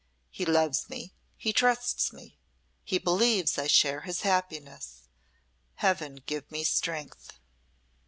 "He loves me, he trusts me, he believes I share his happiness. Heaven give me strength."